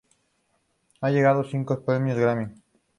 Ha ganado cinco Premio Grammy.